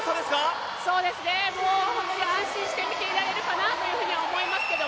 本当に安心して見ていられるかなとは思いますが。